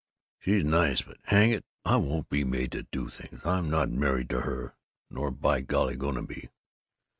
"She's nice but Hang it, I won't be made to do things! I'm not married to her. No, nor by golly going to be!